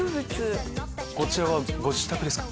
こちらはご自宅ですか？